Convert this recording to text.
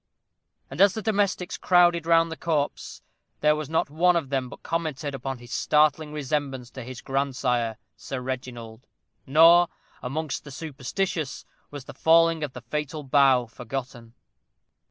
And as the domestics crowded round the corpse, there was not one of them but commented upon his startling resemblance to his grandsire, Sir Reginald; nor, amongst the superstitious, was the falling of the fatal bough forgotten.